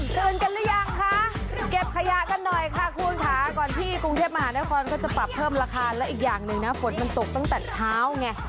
เตือนกันหรือยังคะเก็บขยะกันหน่อยค่ะคุณค่ะก่อนที่กรุงเทพมหานครก็จะปรับเพิ่มราคาแล้วอีกอย่างหนึ่งนะฝนมันตกตั้งแต่เช้าไง